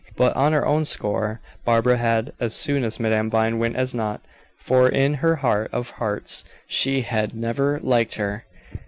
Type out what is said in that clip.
But, on her own score, Barbara had as soon Madame Vine went as not; for, in her heart of hearts, she had never liked her.